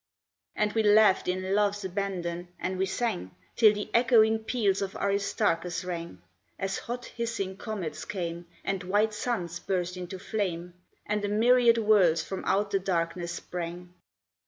And we laughed in love's abandon, and we sang, Till the echoing peals of Aristarchus rang, As hot hissing comets came, and white suns burst into flame, And a myriad worlds from out the darkness sprang.